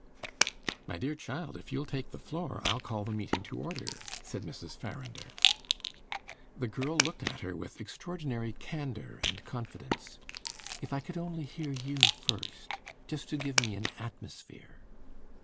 "My dear child, if you'll take the floor, I'll call the meeting to order," said Mrs. Farrinder. The girl looked at her with extraordinary candour and confidence. "If I could only hear you first just to give me an atmosphere."